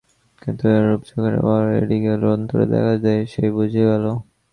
কিন্তু রূপ যখন চোখের পাহারা এড়িয়ে লুকিয়ে অন্তরে দেখা দেয় সেই বুঝি ভালো।